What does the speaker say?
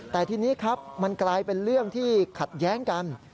แต่ทีนี้ครับมันกลายเป็นเรื่องที่ขัดแย้งกัน